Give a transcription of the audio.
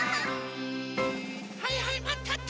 はいはいマンたって！